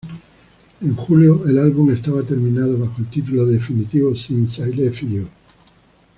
En julio el álbum estaba terminado bajo el título definitivo "Since I Left You".